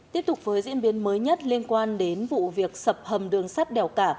tiếp tục với diễn biến mới nhất liên quan đến vụ việc sập hầm đường sắt đèo cả